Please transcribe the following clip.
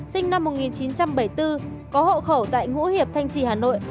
sinh năm một nghìn chín trăm bảy mươi bốn có hộ khẩu tại ngũ hiệp thanh trì hà nội